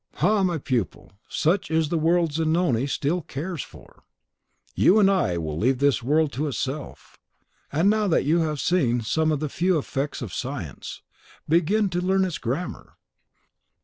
Ha, ha, my pupil! such is the world Zanoni still cares for! you and I will leave this world to itself. And now that you have seen some few of the effects of science, begin to learn its grammar."